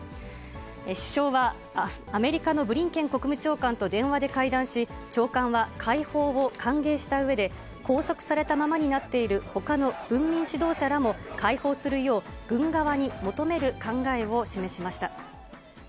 首相は、アメリカのブリンケン国務長官と電話で会談し、長官は解放を歓迎したうえで、拘束されたままになっているほかの文民指導者らも解放するよう、軍側に求める考えを示しました。